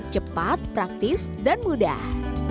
cepat praktis dan mudah